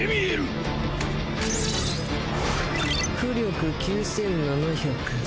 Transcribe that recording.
巫力９，７００。